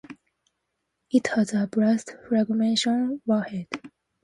It has a blast-fragmentation warhead.